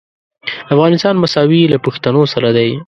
افغانستان مساوي له پښتنو سره دی.